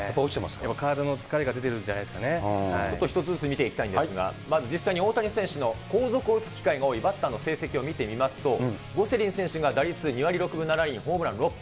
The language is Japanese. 体の疲れが出てるんじゃないちょっと１つずつ見ていきたいんですが、まず実際に大谷選手の後続を打つ機会が多いバッターの成績を見てみますと、ゴセリン選手が打率２割６分７厘、ホームラン６本。